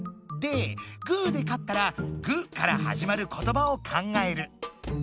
で「グー」でかったら「グ」から始まることばを考える！